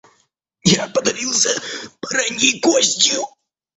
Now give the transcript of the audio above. Я подавился бараньей костью.